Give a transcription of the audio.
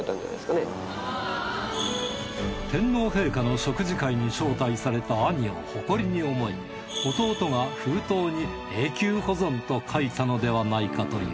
天皇陛下の食事会に招待された兄を誇りに思い弟が封筒に「永久保存」と書いたのではないかという。